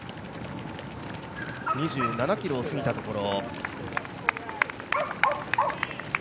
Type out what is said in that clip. ２７ｋｍを過ぎたところ。